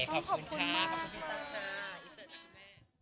ขอบคุณมาก